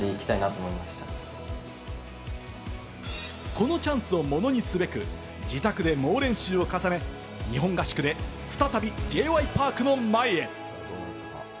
このチャンスをものにすべく、自宅で猛練習を重ね、日本合宿で再びＪ．Ｙ．Ｐａｒｋの前へ。